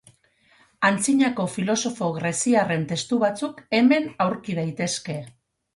Antzinako filosofo greziarren testu batzuk hemen aurki daitezke.